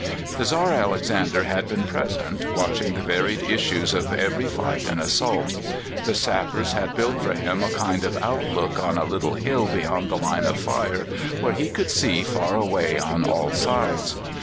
The Czar Alexander had been present, watching the varied issues of every fight and assault. The sappers had built for him a kind of outlook on a little hill beyond the line of fire, where he could see far away on all sides.